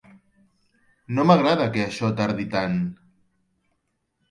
No m'agrada que això tardi tant.